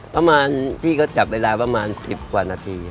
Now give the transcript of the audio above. ประมาณที่เขาจับเวลาประมาณ๑๐กว่านาที